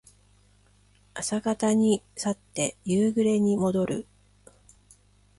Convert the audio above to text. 朝方に去って夕暮れにもどる。